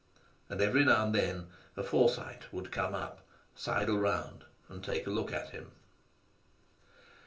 And every now and then a Forsyte would come up, sidle round, and take a look at him.